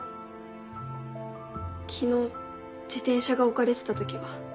昨日自転車が置かれてた時は。